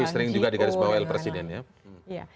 itu sering juga di garis bawah l presiden ya